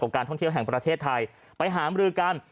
การท่องเที่ยวแห่งประเทศไทยไปหามรือกัน